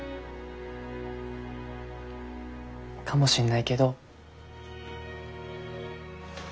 かもしんないけど。